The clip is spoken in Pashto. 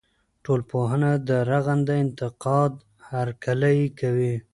ټولنپوهنه د رغنده انتقاد هرکلی کوي.